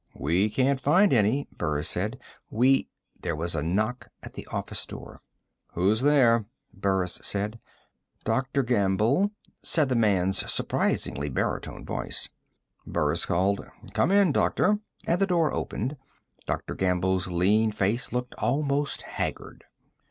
"We can't find any," Burris said. "We " There was a knock at the office door. "Who's there?" Burris called. "Dr. Gamble," said the man's surprisingly baritone voice. Burris called: "Come in, doctor," and the door opened. Dr. Gamble's lean face looked almost haggard.